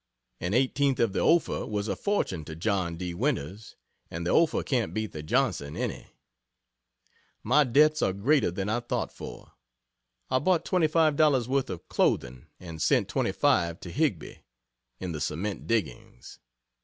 An eighteenth of the Ophir was a fortune to John D. Winters and the Ophir can't beat the Johnson any..... My debts are greater than I thought for; I bought $25 worth of clothing, and sent $25 to Higbie, in the cement diggings.